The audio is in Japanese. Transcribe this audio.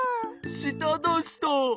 しただした。